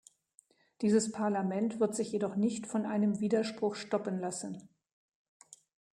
Dieses Parlament wird sich jedoch nicht von einem Widerspruch stoppen lassen.